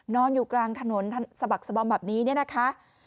นอนอยู่กลางถนนสะบักสบอมแบบนี้เนี่ยนะคะ